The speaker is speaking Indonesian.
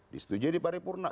disetujui di paripurna